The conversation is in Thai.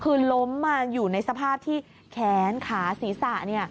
คือล้มอยู่ในสภาพที่แค้นขาศรีสัตว์